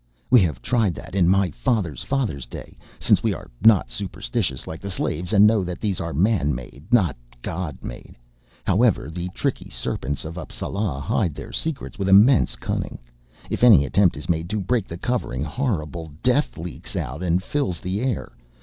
"We have tried that, in my father's father's day, since we are not superstitious like the slaves and know that these are man made not god made. However the tricky serpents of Appsala hide their secrets with immense cunning. If any attempt is made to break the covering horrible death leaks out and fills the air.